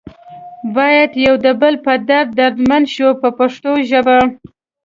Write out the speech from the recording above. باید یو د بل په درد دردمند شو په پښتو ژبه.